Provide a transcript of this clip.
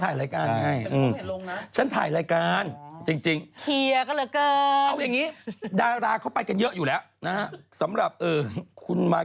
อีกแล้วจะพูดทำไม